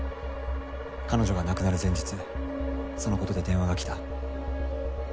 彼女が亡くなる前日その事で電話が来た。